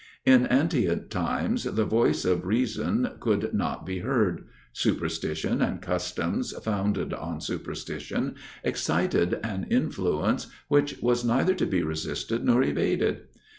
In antient times the voice of reason could not be heard. Superstition, and customs founded on superstition, excited an influence which was neither to be resisted nor evaded.